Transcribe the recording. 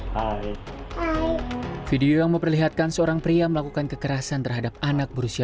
hai video yang memperlihatkan seorang pria melakukan kekerasan terhadap anak berusia